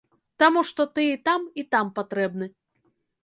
Таму што ты і там і там патрэбны.